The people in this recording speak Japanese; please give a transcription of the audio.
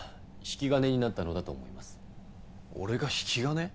俺が引き金？